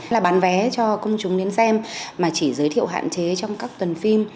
là bán vé cho công chúng đến xem mà chỉ giới thiệu hạn chế trong các tuần phim